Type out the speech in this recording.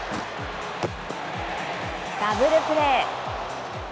ダブルプレー。